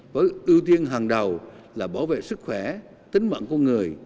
với ưu tiên hàng đầu là bảo vệ sức khỏe tính mạng của người